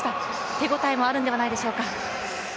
手応えもあるんではないでしょうか？